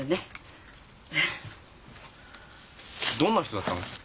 どんな人だったの？